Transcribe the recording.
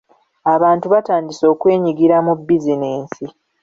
Abantu batandise okwenyigira mu bizinensi.